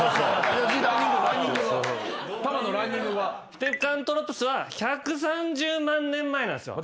ピテカントロプスは１３０万年前なんすよ。